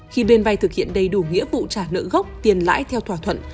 khi bên vay thực hiện đầy đủ nghĩa vụ trả nợ gốc tiền lãi theo thỏa thuận